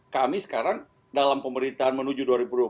kami sekarang dalam pemerintahan menuju dua ribu dua puluh empat